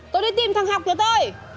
tôi đi tìm thằng học của tôi